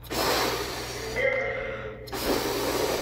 Send-iḍelli.